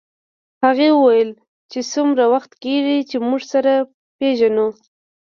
هغې وویل چې څومره وخت کېږي چې موږ سره پېژنو